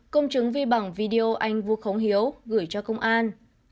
một công chứng vi bỏng video anh vu khống hiếu gửi cho công an